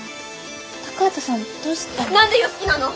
高畑さんどうしたの？